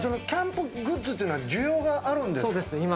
キャンプグッズっていうのは、需要があるんですか？